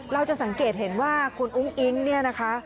เราจะสังเกตเห็นว่าคุณอุ้งอิ๊งเนี่ยนะคะ